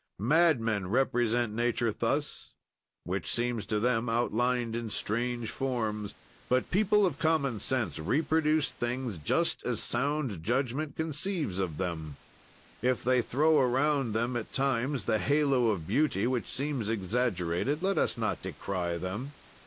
"Madmen represent nature thus, which seems to them outlined in strange forms. "But people of common sense reproduce things just as sound judgment conceives of them; if they throw around them at times the halo of beauty which seems exaggerated, let us not decry them.